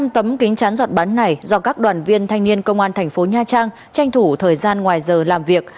năm trăm linh tấm kính chắn giọt bắn này do các đoàn viên thanh niên công an thành phố nha trang tranh thủ thời gian ngoài giờ làm việc